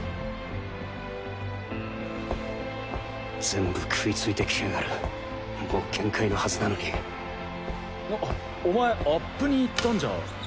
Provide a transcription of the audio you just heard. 全部食いついて来やがる。もう限界のはずなのにお前アップに行ったんじゃ？